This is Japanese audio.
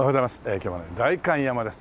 今日はね代官山です。